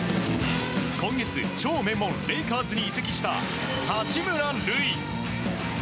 今月超名門レイカーズに移籍した八村塁。